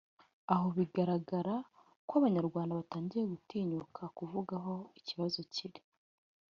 aho bigaragara ko abanyarwanda batangiye gutinyuka kuvuga aho ikibazo kiri